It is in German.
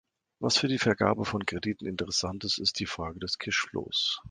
Was für die Vergabe von Krediten interessant ist, ist die Frage des Cashflows.